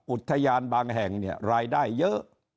อุทยานบางแห่งเนี่ยรายได้เยอะ